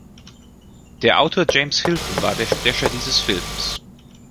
Der Autor James Hilton war der Sprecher dieses Films.